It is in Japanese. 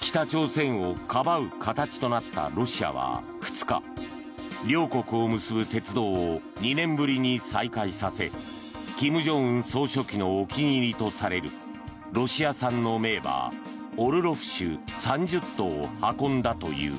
北朝鮮をかばう形となったロシアは２日両国を結ぶ鉄道を２年ぶりに再開させ金正恩総書記のお気に入りとされるロシア産の名馬オルロフ種３０頭を運んだという。